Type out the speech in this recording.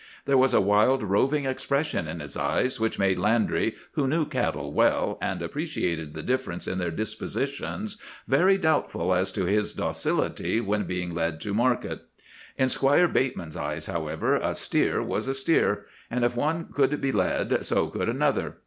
There was a wild, roving expression in his eye which made Landry, who knew cattle well, and appreciated the differences in their dispositions, very doubtful as to his docility when being led to market. In Squire Bateman's eyes, however, a steer was a steer; and if one could be led so could another.